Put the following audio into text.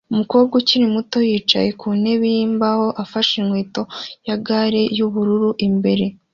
Umukobwa ukiri muto yicaye ku ntebe yimbaho afashe inkweto na gare yubururu imbere